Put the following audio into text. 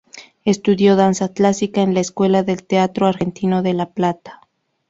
Estudió danza clásica en la Escuela del Teatro Argentino de La Plata.